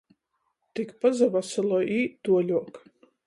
Tik pasavasaloj i īt tuoļuok.